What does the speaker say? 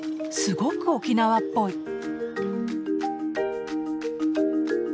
すごく沖縄っぽい。